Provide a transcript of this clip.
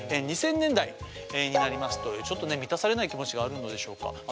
２０００年代になりますとちょっとね満たされない気持ちがあるのでしょうか。